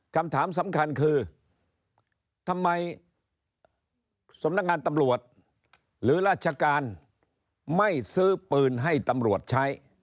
คำถามสำคัญคือทำไมสำนักงานตำรวจหรือราชการไม่ซื้อปืนให้ตำรวจใช้